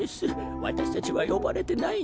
わたしたちはよばれてないんです。